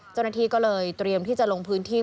เจ้าหน้าที่ก็เลยเตรียมที่จะลงพื้นที่